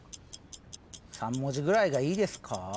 ３文字ぐらいがいいですか？